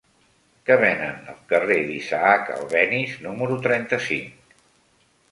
Què venen al carrer d'Isaac Albéniz número trenta-cinc?